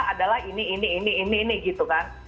adalah ini ini ini ini ini gitu kan